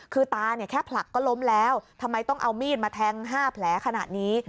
คือตาเนี่ยแค่ผลักก็ล้มแล้วทำไมต้องเอามีดมาแทง๕แผลขนาดนี้